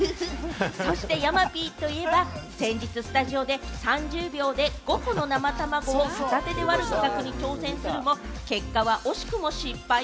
そして山Ｐといえば、先日スタジオで、３０秒で５個の生たまごを片手で割る企画に挑戦するも、結果は惜しくも失敗。